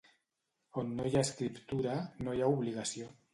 On no hi ha escriptura no hi ha obligació.